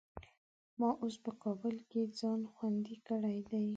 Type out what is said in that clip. ما اوس په کابل کې ځان خوندي کړی دی.